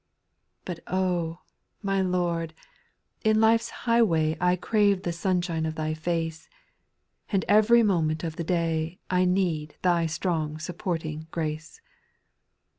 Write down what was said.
4. ■ But Oh ! my Lord, in life's highway I crave the sunshine of Thy face ;. And every moment of the day I need Thy strong supporting grace.